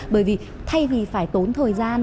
bởi vì thay vì phải tốn thời gian